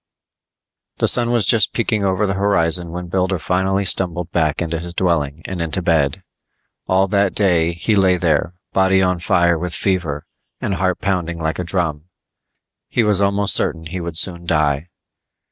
The sun was just peeking over the horizon when Builder finally stumbled back into his dwelling and into bed. All that day, he lay there, body on fire with fever, and heart pounding like a drum. He was almost certain he would soon die.